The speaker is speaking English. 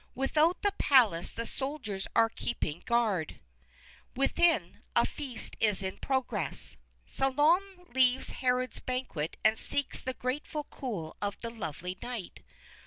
Without the palace the soldiers are keeping guard; within, a feast is in progress. Salome leaves Herod's banquet and seeks the grateful cool of the lovely night.